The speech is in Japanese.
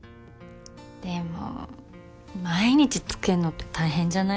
でも毎日つけんのって大変じゃない？